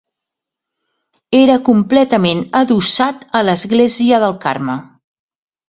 Era completament adossat a l'església del Carme.